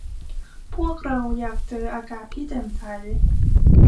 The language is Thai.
พวกเราอยากเจออากาศที่แจ่มใส